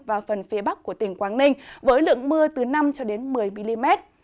và phần phía bắc của tỉnh quảng ninh với lượng mưa từ năm một mươi mm